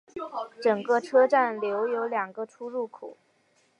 整个车站留有两个出入口。